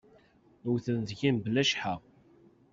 Wwten deg-i mebla cceḥḥa.